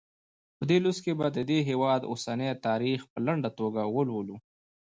په دې لوست کې به د دې هېواد اوسنی تاریخ په لنډه توګه ولولو.